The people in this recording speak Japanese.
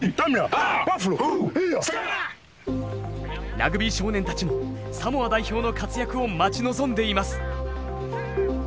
ラグビー少年たちもサモア代表の活躍を待ち望んでいます。